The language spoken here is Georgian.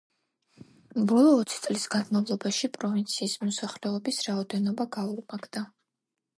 ბოლო ოცი წლის განმავლობაში, პროვინციის მოსახლეობის რაოდენობა გაორმაგდა.